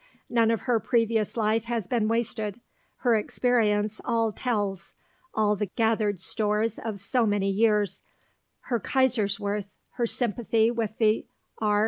None of her previous life has been wasted, her experience all tells, all the gathered stores of so many years, her Kaiserswerth, her sympathy with the R.